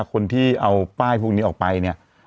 คนที่เอาป้ายพวกนี้ออกไปเนี่ย